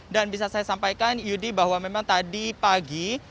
dan bisa saya sampaikan yudi bahwa memang tadi pagi